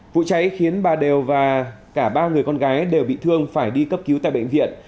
vụ cháy khiến bà đều và cả ba người con gái đều bị thương phải đi cấp cứu tại bệnh viện